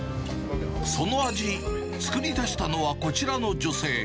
その味、作り出したのはこちらの女性。